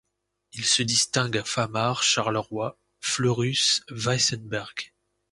Il se distingue à Famars, Charleroi, Fleurus, Weissenberg.